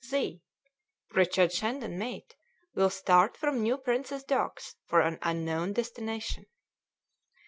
Z , Richard Shandon mate, will start from New Prince's Docks for an unknown destination."